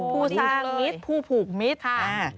ผู้สร้างมิตรผู้ผูกมิตรค่ะ